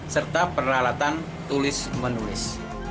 serta peralatan tulis menulis